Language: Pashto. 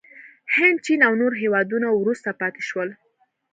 هند، چین او نور هېوادونه وروسته پاتې شول.